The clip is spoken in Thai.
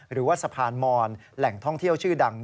หรือว่าสะพานมอนแหล่งท่องเที่ยวชื่อดัง